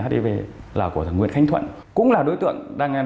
để truy bắt đối tượng